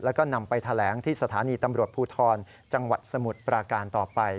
แล้วก็นำไปแถลงที่สถานีตำรวจภูทรจังหวัดสมุทรปราการต่อไป